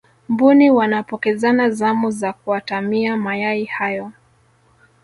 mbuni wanapokezana zamu za kuatamia mayai hayo